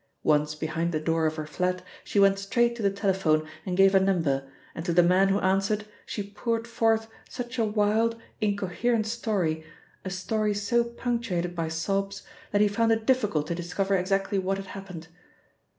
Once behind the door of her flat she went straight to the telephone and gave a number, and to the man who answered, she poured forth such a wild, incoherent story, a story so punctuated by sobs, that he found it difficult to discover exactly what had happened.